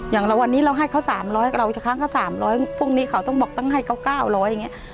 อย่างเราวันนี้เราให้เขา๓๐๐เราอีกครั้งก็๓๐๐พวกนี้เขาต้องบอกต้องให้เขา๙๐๐อย่างนี้